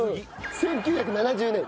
１９７０年。